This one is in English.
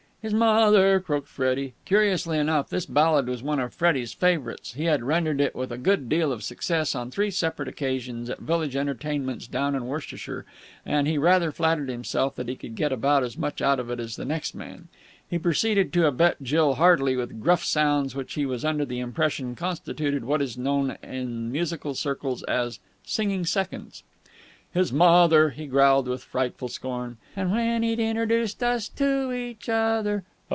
"His m o o other!" croaked Freddie. Curiously enough, this ballad was one of Freddie's favourites. He had rendered it with a good deal of success on three separate occasions at village entertainments down in Worcestershire, and he rather flattered himself that he could get about as much out of it as the next man. He proceeded to abet Jill heartily with gruff sounds which he was under the impression constituted what is known in musical circles as "singing seconds." "His mo o other!" he growled with frightful scorn. "And when he'd introduced us to each other...."